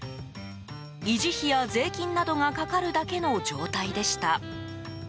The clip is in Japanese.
維持費や税金などがかかるだけの状態でした。